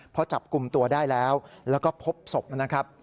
พอจับกลุ่มตัวได้แล้วแล้วก็พบศพนะครับ